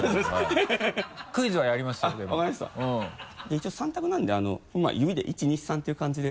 一応３択なんで指で１２３っていう感じで。